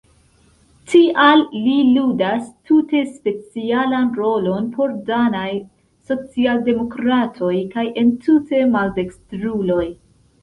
Tial li ludas tute specialan rolon por danaj socialdemokratoj kaj entute maldekstruloj.